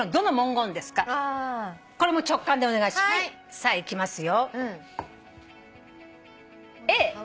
さあいきますよ。